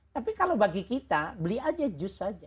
tapi kalau bagi kita beli aja jus saja